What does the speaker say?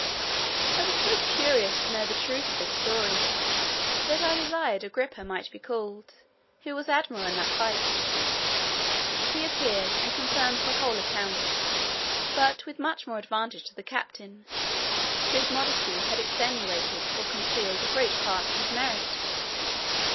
I was so curious to know the truth of this story, that I desired Agrippa might be called, who was admiral in that fight. He appeared, and confirmed the whole account: but with much more advantage to the captain, whose modesty had extenuated or concealed a great part of his merit.